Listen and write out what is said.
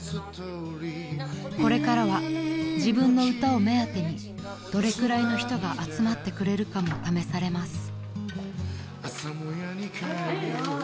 ［これからは自分の歌を目当てにどれくらいの人が集まってくれるかも試されます］